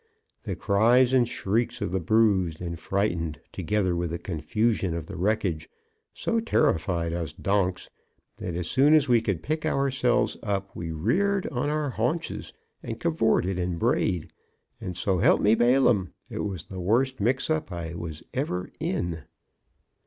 The cries and shrieks of the bruised and frightened together with the confusion of the wreckage so terrified us donks that as soon as we could pick ourselves up we reared on our haunches, and cavorted, and brayed, and so help me Balaam! it was the worst mix up I was ever in.